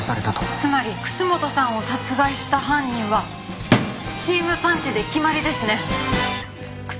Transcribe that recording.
つまり楠本さんを殺害した犯人はチームパンチで決まりですね！